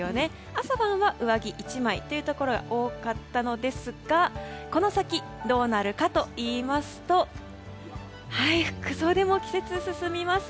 朝晩は上着１枚というところが多かったのですがこの先、どうなるかといいますと服装でも季節が進みます。